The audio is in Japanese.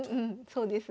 そうですね。